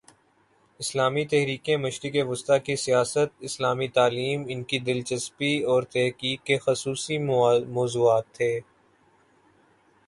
اسلامی تحریکیں، مشرق وسطی کی سیاست، اسلامی تعلیم، ان کی دلچسپی اور تحقیق کے خصوصی موضوعات تھے۔